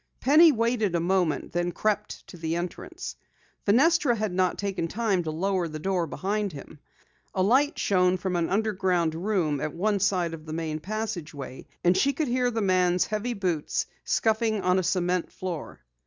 Penny waited a moment, then crept to the entrance. Fenestra had not taken time to lower the door behind him. A light shone from an underground room at one side of the main passageway, and she could hear the man's heavy boots scuffing on a cement floor.